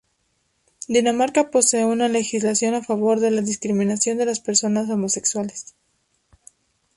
Dinamarca posee una legislación a favor de la no discriminación de las personas homosexuales.